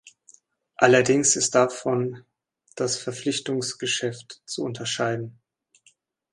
Allerdings ist davon das Verpflichtungsgeschäft zu unterscheiden.